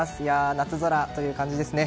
夏空という感じですね。